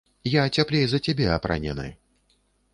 Я цяплей за цябе апранены.